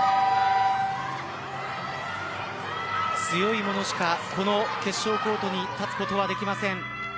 強いものしかこの決勝コートに立つことはできません。